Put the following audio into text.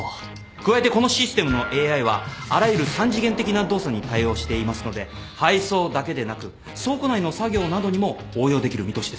加えてこのシステムのＡＩはあらゆる三次元的な動作に対応していますので配送だけでなく倉庫内の作業などにも応用できる見通しです。